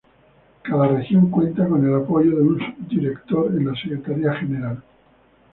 Cada región cuenta con el apoyo de un subdirector en la Secretaría General.